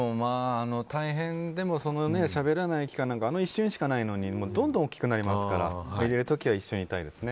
大変でもしゃべらない期間なんかあの一瞬しかないのにどんどん大きくなりますから。